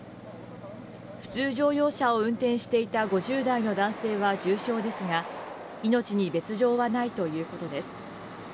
普通乗用車を運転していた５０代の男性は重傷ですが命に別条はないということです。